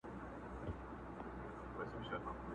چي هم ما هم مي ټبر ته یې منلی!!